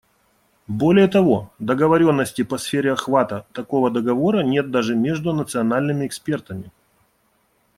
Более того, договоренности по сфере охвата такого договора нет даже между национальными экспертами.